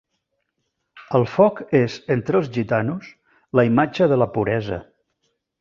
El foc és, entre els gitanos, la imatge de la puresa.